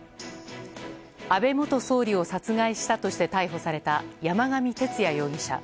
安倍元総理を殺害したとして逮捕された、山上徹也容疑者。